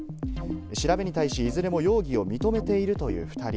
調べに対し、いずれも容疑を認めているという２人。